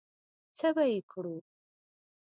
څه به یې کړو؟